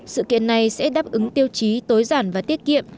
sự kiện này sẽ đáp ứng tiêu chí tối giản và tiết kiệm